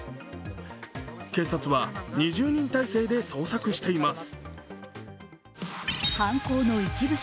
警察は２０人態勢で捜索しています。